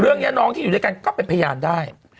น้องที่อยู่ด้วยกันก็เป็นพยานได้